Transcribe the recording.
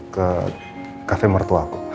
ke cafe mertua aku